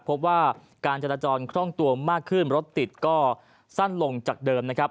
พบว่าการจราจรคล่องตัวมากขึ้นรถติดก็สั้นลงจากเดิมนะครับ